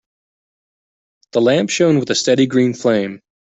The lamp shone with a steady green flame.